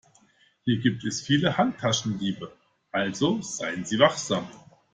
Hier gibt es viele Handtaschendiebe, also seien Sie wachsam.